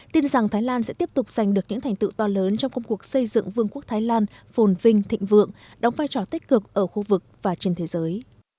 tin rằng thái lan sẽ tiếp tục giành được những thành tựu to lớn trong công cuộc xây dựng vương quốc thái lan phồn vinh thịnh vượng đóng vai trò tích cực ở khu vực và trên thế giới